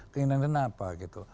keinginan dia apa gitu